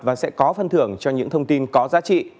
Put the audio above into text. và sẽ có phân thưởng cho những thông tin có giá trị